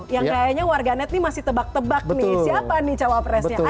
yang kayaknya warganet ini masih tebak tebak nih siapa nih cawapresnya